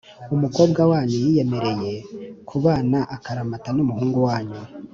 umukobwa wanyu yiyemereye kubana akaramata n’ umuhungu wanyu,